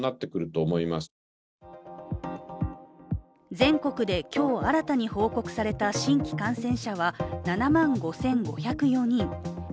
全国で今日新たに報告された新規感染者は７万５５０４人。